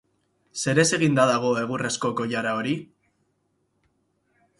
Zerez eginda dago egurrezko koilara hori?